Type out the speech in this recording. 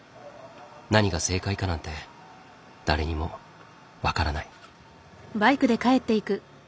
何が正解かなんて誰にも分からない。